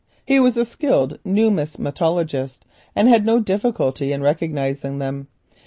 He was a skilled numismatist, and had no difficulty in recognising them.